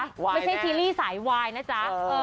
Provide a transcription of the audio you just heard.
ไม่ใช่ซีรีส์สายวายนะจ๊ะ